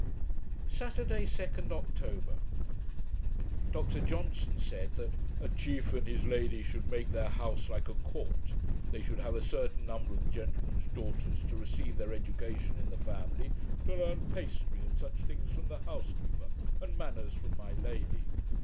Saturday, 2d October Dr Johnson said, that 'a chief and his lady should make their house like a court. They should have a certain number of the gentlemen's daughters to receive their education in the family, to learn pastry and such things from the housekeeper, and manners from my lady.